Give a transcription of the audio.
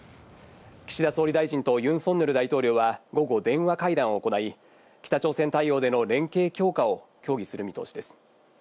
岸田総理大臣とユン・ソンニョル大統領は午後、電話会談を行い、北朝鮮対応での連携強化を協議する見通しです。